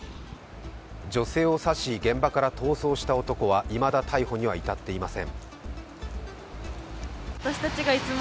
女性を刺し、現場から逃走した男はいまだ逮捕には至っていません。